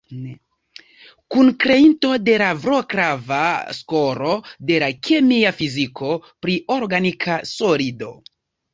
Kunkreinto de la vroclava skolo de la kemia fiziko pri organika solido.